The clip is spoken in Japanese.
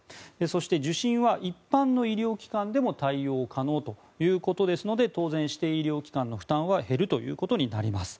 そして受診は一般の医療機関でも対応可能ということですので当然、指定医療機関の負担は減るということになります。